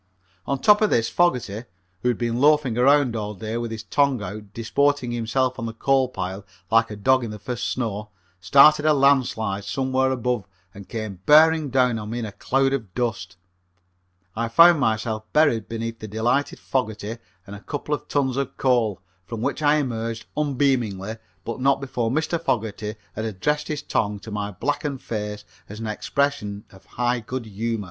On top of this Fogerty, who had been loafing around all day with his tongue out disporting himself on the coal pile like a dog in the first snow, started a landslide somewhere above and came bearing down on me in a cloud of dust. I found myself buried beneath the delighted Fogerty and a couple of tons of coal, from which I emerged unbeamingly, but not before Mr. Fogerty had addressed his tongue to my blackened face as an expression of high good humor.